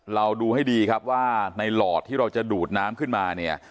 เราดูให้ดีครับว่าในหลอดที่เราจะดูดน้ำขึ้นมาเนี่ย